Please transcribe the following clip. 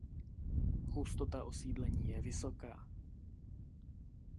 Hustota osídlení je vysoká.